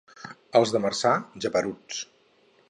Els de Marçà, geperuts.